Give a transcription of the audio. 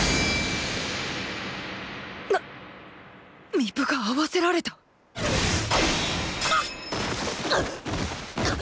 な⁉巫舞が合わせられた⁉がっ！